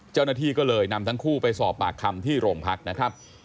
เจ้าหน้าที่ก็เลยนำทั้งคู่ไปสอบปากคำที่โรงพักนะครับ